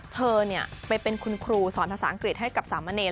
เธอเนี่ยเพื่อเป็นคุณครูสอนภาษาอังกฤษให้กับสามเมนะ